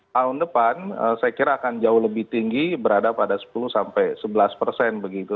tahun depan saya kira akan jauh lebih tinggi berada pada sepuluh sampai sebelas persen begitu